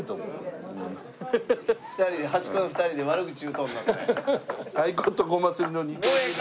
２人で端っこの２人で悪口言うとんなこれ。